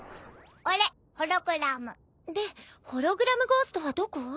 俺ホログラム。でホログラムゴーストはどこ？